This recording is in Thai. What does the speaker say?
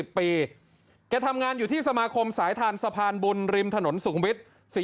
แกทำงานอยู่ที่สมาคมสายทานสะพานบุญริมถนนสุขุมวิทย์